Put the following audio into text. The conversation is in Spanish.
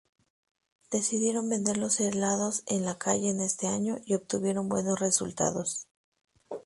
Decidieron vender los helados en la calle en ese año y obtuvieron buenos resultados.